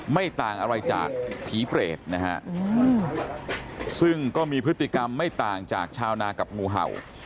ไม่ต่างอะไรจากผีเปรตนะฮะซึ่งก็มีพฤติกรรมไม่ต่างจากชาวนากับงูเห่า